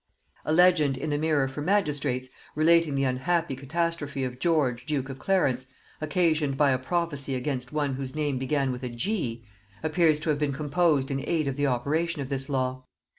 A legend in the "Mirror for Magistrates," relating the unhappy catastrophe of George duke of Clarence, occasioned by a prophecy against one whose name began with a G, appears to have been composed in aid of the operation of this law.